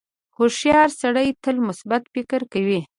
• هوښیار سړی تل مثبت فکر کوي.